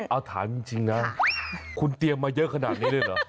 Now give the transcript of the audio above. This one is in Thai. เอาถามจริงนะคุณเตรียมมาเยอะขนาดนี้เลยเหรอ